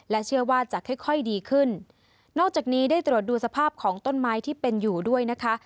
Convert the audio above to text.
เชื่อว่าจะค่อยค่อยดีขึ้นนอกจากนี้ได้ตรวจดูสภาพของต้นไม้ที่เป็นอยู่ด้วยนะคะ